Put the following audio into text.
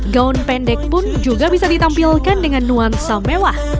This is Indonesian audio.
gaun pendek pun juga bisa ditampilkan dengan nuansa mewah